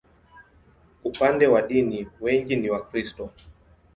Upande wa dini, wengi ni Wakristo.